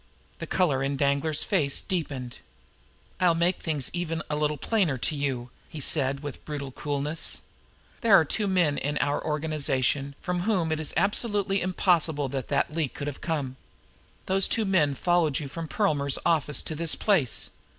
The color in Danglar's face deepened. "I'll make things even a little plainer to you," he said with brutal coolness. "There are two men in our organization from whom it is absolutely impossible that that leak could have come. Those two men followed you from Perlmer's office to this place.